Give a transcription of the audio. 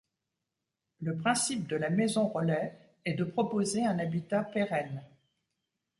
Le principe de la maison relais est de proposer un habitat pérenne.